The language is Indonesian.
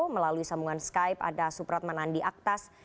melalui sambungan skype ada supratman andi aktas